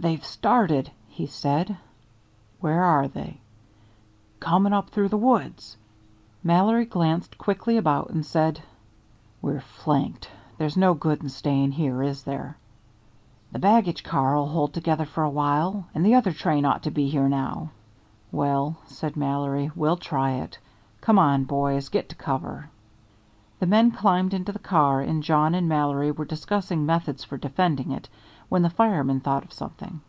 "They've started," he said. "Where are they?" "Comin' up through the woods." Mallory glanced quickly about and said, "We're flanked. There's no good in staying here, is there?" "The baggage car'll hold together for a while, and the other train ought to be here now." "Well," said Mallory, "we'll try it. Come on, boys, get to cover." The men climbed into the car, and Jawn and Mallory were discussing methods for defending it, when the fireman thought of something.